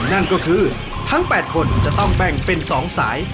นั่นก็คือทั้ง๘คนจะต้องแบ่งเป็น๒สาย